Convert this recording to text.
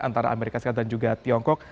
antara amerika serikat dan juga tiongkok